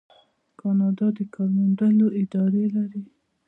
کاناډا د کار موندنې ادارې لري.